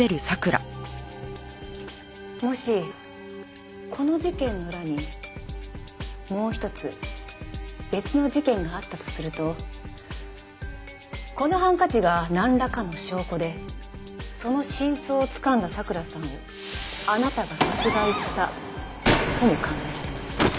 もしこの事件の裏にもう一つ別の事件があったとするとこのハンカチがなんらかの証拠でその真相をつかんだ咲良さんをあなたが殺害したとも考えられます。